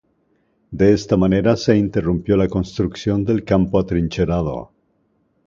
De esta manera se interrumpió la construcción del Campo Atrincherado.